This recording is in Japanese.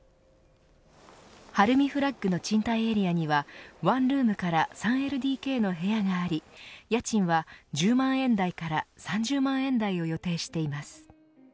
晴海フラッグの賃貸エリアにはワンルームから３ＬＤＫの部屋があり家賃は１０万円台から３０万円台を予定しています。